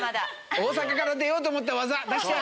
大阪から出ようと思った技。